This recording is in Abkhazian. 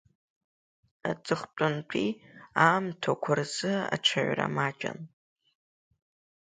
Аҵыхәтәантәи аамҭақәа рзы аҽаҩра маҷын.